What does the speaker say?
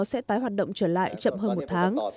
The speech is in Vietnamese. sẽ tái hoạt động trở lại chậm hơn một tháng